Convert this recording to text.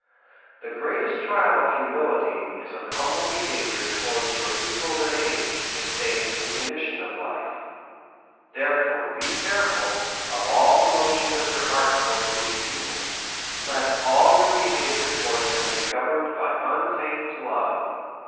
The greatest trial of hu mility is an humble behaviour towards your equals in age, estate, and condit!on of life. Therefore, be care ful of all the motions of your heart towards these peo ple ; let all your behaviour towards them be governed by unfeigned love.